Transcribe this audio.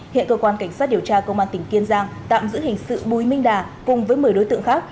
hiện cơ quan cảnh sát điều tra công an tỉnh kiên giang tạm giữ hình sự bùi minh đà cùng với một mươi đối tượng khác